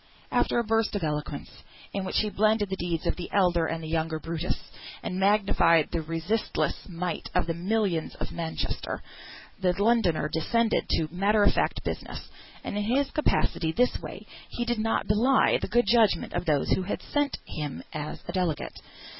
After a burst of eloquence, in which he blended the deeds of the elder and the younger Brutus, and magnified the resistless might of the "millions of Manchester," the Londoner descended to matter of fact business, and in his capacity this way he did not belie the good judgment of those who had sent him as delegate.